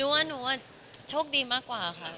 นู้นว่านู้นว่าโชคดีมากกว่าค่ะ